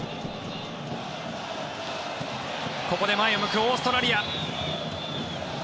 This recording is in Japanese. ここで前を向くオーストラリア。